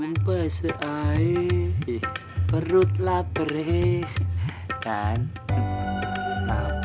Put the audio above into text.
enggak saya yang kekenyangan